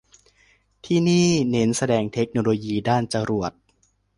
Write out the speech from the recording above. ที่นี่เน้นแสดงเทคโนโลยีด้านจรวด